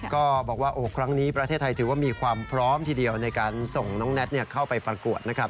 ก็บอกว่าครั้งนี้ประเทศไทยถือว่ามีความพร้อมทีเดียวในการส่งน้องแน็ตเข้าไปประกวดนะครับ